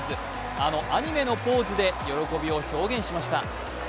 あのアニメのポーズで喜びを表現しました。